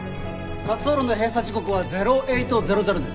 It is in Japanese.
滑走路の閉鎖時刻は０８００です。